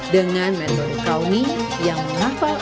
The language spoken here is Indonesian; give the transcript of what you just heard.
dengan medonik kauni yang menghafal